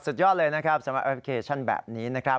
สุดยอดเลยนะครับสำหรับแอปพลิเคชันแบบนี้นะครับ